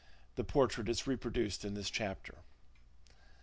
The portrait is reproduced in this chapter.